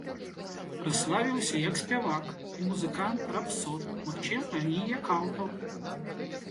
Праславіўся як спявак і музыкант-рапсод, магчыма, і як аўтар.